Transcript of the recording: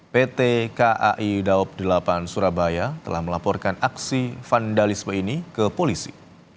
pt kai daob delapan surabaya telah melaporkan aksi vandalisme ini ke polisi